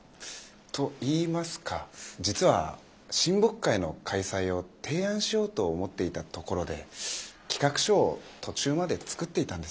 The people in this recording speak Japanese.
といいますか実は親睦会の開催を提案しようと思っていたところで企画書を途中まで作っていたんです。